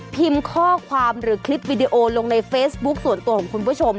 พิมพ์ข้อความหรือคลิปวิดีโอลงในเฟซบุ๊คส่วนตัวของคุณผู้ชม